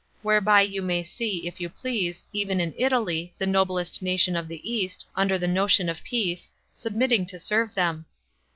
whereby you may see, if you please, even in Italy, the noblest nation of the East, under the notion of peace, submitting to serve them.